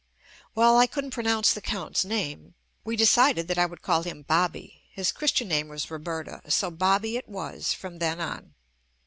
Well I couldn't pronounce the count's name, we de cided that I would call him "Bobby" (his Christian name was Roberta), so "Bobby" it was from then on.